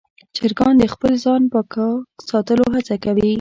چرګان د خپل ځان پاک ساتلو هڅه کوي.